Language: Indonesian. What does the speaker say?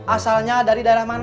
asalnya dari daerah mana